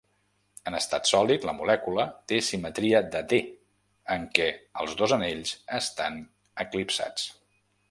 En estat sòlid, la molècula té simetria de D, en què els dos anells estan eclipsats.